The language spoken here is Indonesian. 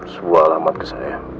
sebuah alamat ke saya